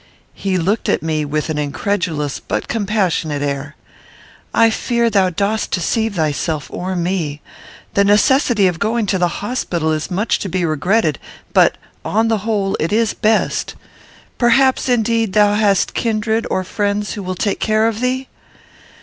He looked at me with an incredulous but compassionate air: "I fear thou dost deceive thyself or me. The necessity of going to the hospital is much to be regretted, but, on the whole, it is best. Perhaps, indeed, thou hast kindred or friends who will take care of thee?"